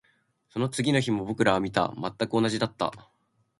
その次の日も僕らは見た。全く同じだった。